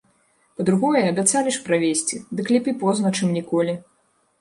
Па-другое, абяцалі ж правесці, дык лепей позна, чым ніколі.